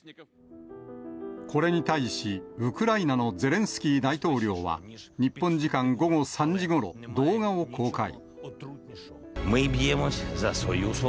これに対し、ウクライナのゼレンスキー大統領は、日本時間午後３時ごろ、動画を公開。